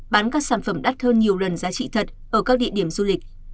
bán các sản phẩm đắt hơn nhiều lần giá trị thật ở các địa điểm du lịch